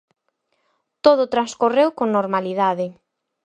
Todo transcorreu con normalidade.